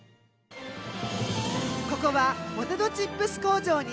ここはポテトチップス工場にある直売所。